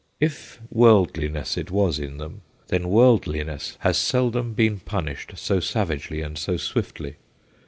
If worldliness it was in them, . then worldliness has seldom been punished so savagely and so swiftly.